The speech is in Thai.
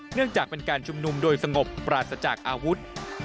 เนื่องจากเป็นการชุมนุมโดยสงบปราศจากอาวุธ